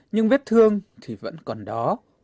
nhưng vết thương thì vẫn còn đó